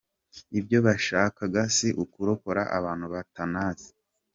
Ibyo bashakaga si ukurokora abantu batanazi.